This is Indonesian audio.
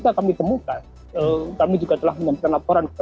tetapi sama sekali juga kemudian que narratives